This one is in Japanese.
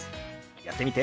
やってみて。